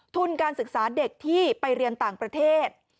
ทุนการศึกษาเด็กที่ไปเรียนต่างประเทศ